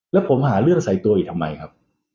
แล้วผมหาเรื่องใส่ตัวอีกทำไมครับ